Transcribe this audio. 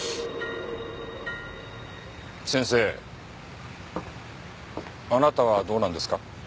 先生あなたはどうなんですか？